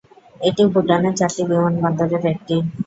এটি ভুটানের চারটি বিমানবন্দরের একটি।